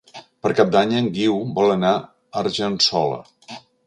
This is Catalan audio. Per Cap d'Any en Guiu vol anar a Argençola.